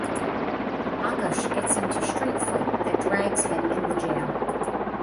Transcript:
Aakash gets into street fight that drags him in the jail.